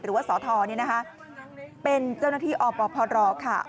หรือว่าสอทรนี่นะคะเป็นเจ้าหน้าที่อพรค่ะ